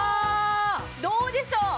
どうでしょう？